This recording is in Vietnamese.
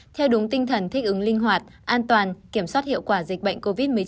theo đúng tinh thần thích ứng linh hoạt an toàn kiểm soát hiệu quả dịch bệnh covid một mươi chín